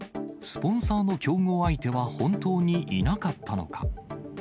スポンサーの競合相手は本当にいなかったのか。